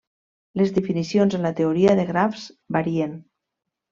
Les definicions en la teoria de grafs varien.